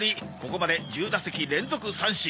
ここまで１０打席連続三振。